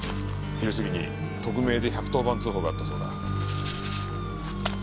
昼過ぎに匿名で１１０番通報があったそうだ。